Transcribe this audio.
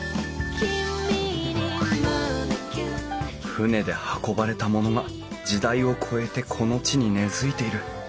船で運ばれたものが時代を超えてこの地に根づいている。